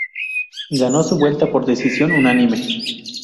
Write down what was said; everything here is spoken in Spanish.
Ganó su vuelta por decisión unánime.